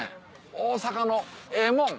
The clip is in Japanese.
大阪のええもん